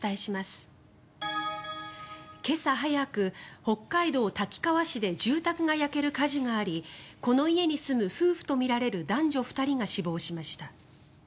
今朝早く、北海道滝川市で住宅が焼ける火事がありこの家に住む夫婦とみられる男女２人が死亡しました。